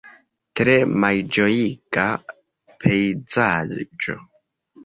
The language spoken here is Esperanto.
Tre malĝojiga pejzaĝo.